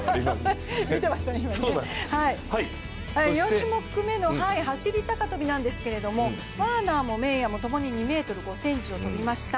４種目めの走高跳なんですけど、ワーナーもメイヤーもともに２ｍ５ｃｍを跳びました。